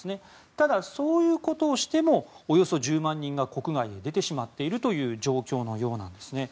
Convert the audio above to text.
ただ、そういうことをしてもおよそ１０万人が国外へ出てしまっているという状況のようなんですね。